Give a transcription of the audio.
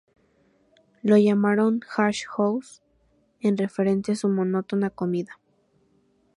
Lo llamaron "Hash House" en referencia a su monótona comida.